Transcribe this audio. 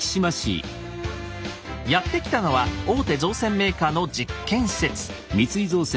やって来たのは大手造船メーカーの実験施設。